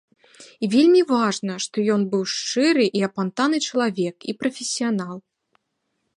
І вельмі важна, што ён быў шчыры і апантаны чалавек і прафесіянал.